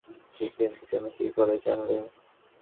ঠিক, কিন্তু তুমি কী করে জানলে?